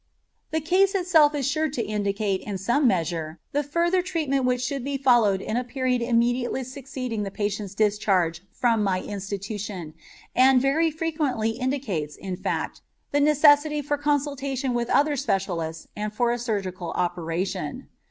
The case itself is sure to indicate in some measure the further treatment which should be followed in the period immediately succeeding the patient's discharge from my institution, and very frequently indicates, in fact, the necessity for consultation with other specialists and for a surgical operation.